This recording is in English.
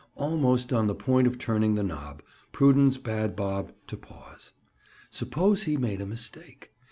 Almost on the point of turning the knob, prudence bade Bob to pause. Suppose he made a mistake?